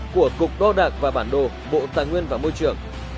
của cục đo đạc và bản đồ bộ tài nguyên và môi trường